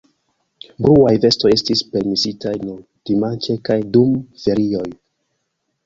Bluaj vestoj estis permesitaj nur dimanĉe kaj dum ferioj.